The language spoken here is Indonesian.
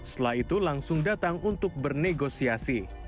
setelah itu langsung datang untuk bernegosiasi